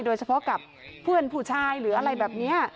โดยเฉพาะกับเพื่อนผู้ชายหรืออะไรแบบนี้